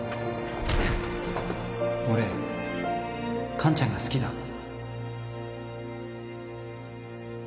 俺カンちゃんが好きだ。